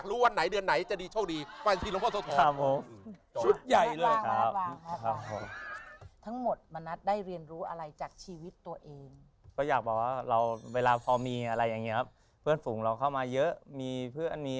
แล้วถ้าเกิดว่าหากินยากสมบัติพญานครราชเอาไป